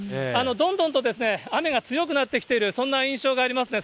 どんどんと雨が強くなってきている、そんな印象がありますね。